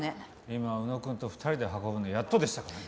今浮野くんと２人で運ぶのやっとでしたからね。